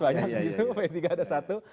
banyak gitu p tiga ada satu